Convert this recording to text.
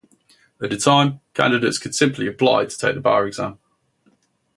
At the time, candidates could simply apply to take the bar exam.